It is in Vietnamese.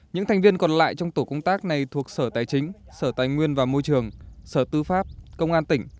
những thành viên còn lại trong tổ công tác này thuộc sở tài chính sở tài nguyên và môi trường sở tư pháp công an tỉnh